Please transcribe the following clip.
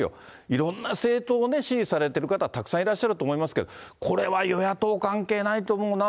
いろんな政党を支持されてる方たくさんいらっしゃると思いますけど、これは与野党関係ないと思うな。